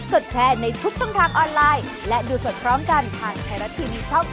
โปรดติดตามตอนต่อไป